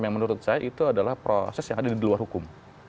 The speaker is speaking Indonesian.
yang menurut saya itu adalah proses yang ada di luar hukum